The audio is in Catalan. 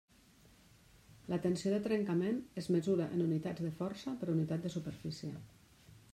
La tensió de trencament es mesura en unitats de força per unitat de superfície.